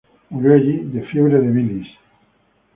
Murió allí de fiebre de bilis.